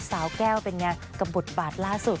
สาวแก้วเป็นไงกับบทบาทล่าสุด